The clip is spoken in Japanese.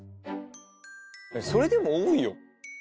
「それでも多いよ」